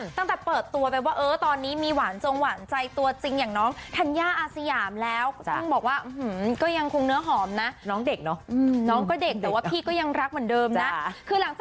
ตั้งแต่เปิดตัวไปว่าตอนนี้น้อยมีหวานจงหวานใจตัวจริง